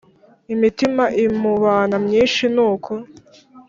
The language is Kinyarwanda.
imitima imubana myinshi nuko